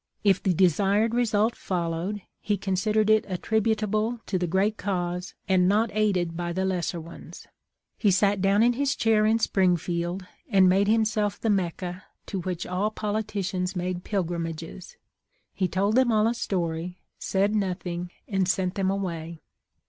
If the desired result followed, he considered it attributable to the great cause, and not aided by the lesser ones. He sat down in his chair in Springfield and made him self the Mecca to which all politicians made pilgrim ages. He told them all a story, said nothing, and sent them away.